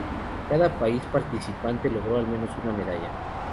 Cada país participante logró al menos una medalla.